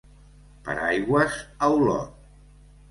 Per aigües a Olot.